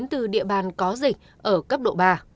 từ địa bàn có dịch ở cấp độ ba